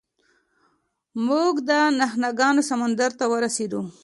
موږ د نهنګانو سمندر ته ورسیدو.